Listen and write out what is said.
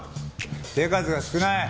手数が少ない。